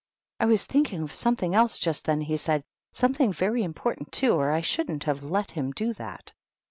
" I was thinking of something else just then," he said; "something very important, too, or I shouldn't have let him do that."